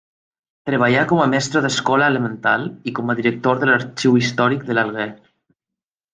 Treballà com a mestre d'escola elemental i com a director de l'arxiu històric de l'Alguer.